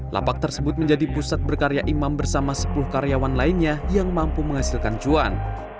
lapak tersebut menjadi pusat berkarya imam bersama sepuluh karyawan lainnya yang mampu menghasilkan cuan